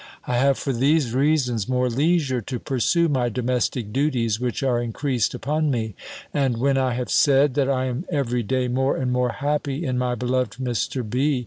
I have for these reasons, more leisure to pursue my domestic duties, which are increased upon me; and when I have said, that I am every day more and more happy in my beloved Mr. B.